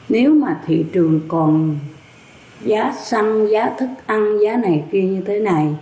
nếu mà thị trường còn giá xăng giá thức ăn giá này kia như thế này